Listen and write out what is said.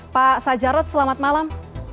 pak sajarot selamat malam